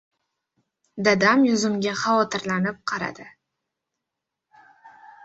Dadam yuzimga xavotirlanib qaradi.